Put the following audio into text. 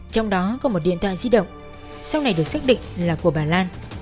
trong đó có một điện thoại di động sau này được xác định là của bà lan